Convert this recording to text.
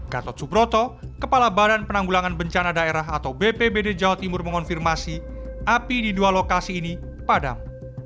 gatot subroto kepala badan penanggulangan bencana daerah atau bpbd jawa timur mengonfirmasi api di dua lokasi ini padam